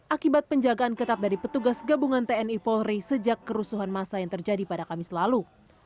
akibat penjagaan ketat dari petugas gabungan tni polri sejak kerusuhan masa yang terjadi pada kamis lalu